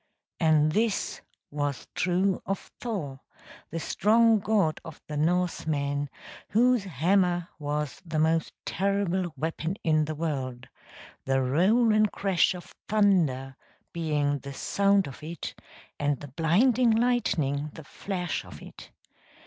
And this was true of Thor, the strong god of the Norsemen whose hammer was the most terrible weapon in the world, the roll and crash of thunder being the sound of it and the blinding lightning the flash of it.